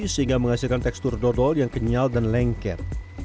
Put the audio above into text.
sehingga menghasilkan tekstur dodol yang kenyal dan lengket